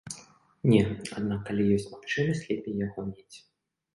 Не, аднак калі ёсць магчымасць, лепей яго мець.